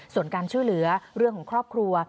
ส่วนการช่วยเหลือเรื่องของครอบครัว